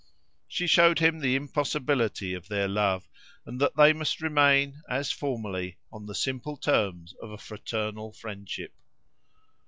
She showed him the impossibility of their love, and that they must remain, as formerly, on the simple terms of a fraternal friendship.